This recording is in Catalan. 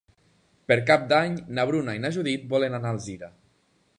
Per Cap d'Any na Bruna i na Judit volen anar a Alzira.